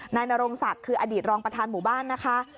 นายนรงศักดิ์คืออดีตรองประธานหมู่บ้านนะคะ